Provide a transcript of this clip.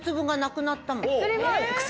それは。